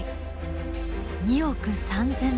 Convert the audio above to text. ２億３０００万年前。